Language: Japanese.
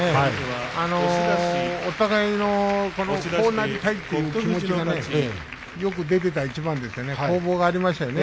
お互いのこうなりたいという気持ちがよく出ていた一番でしたね。